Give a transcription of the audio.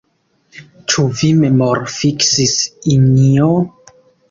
Ĉu vi memorfiksis, Injo?